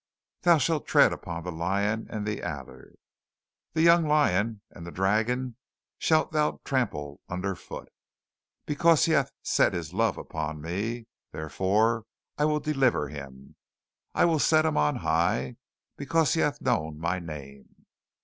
"Thou shalt tread upon the lion and the adder, the young lion and the dragon shalt thou trample under foot. "Because he hath set his love upon me, therefore will I deliver him. I will set him on high, because he hath known my name.